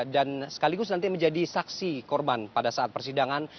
dan sekaligus nanti menjadi saksi korban pada saat persidangan